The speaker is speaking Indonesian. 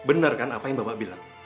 benar kan apa yang bapak bilang